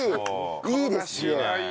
いいですね。